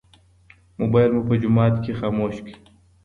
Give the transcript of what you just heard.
موبایل مو په جومات کې خاموش کړئ.